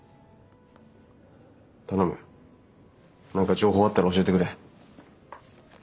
頼む何か情報あったら教えてくれ。